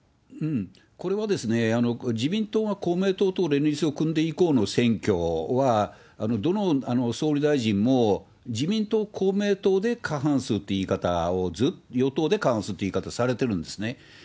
これは自民党が公明党と連立を組んで以降の選挙は、どの総理大臣も自民党、公明党で過半数って言い方を、与党で過半数っていう言い方をされてるんですね。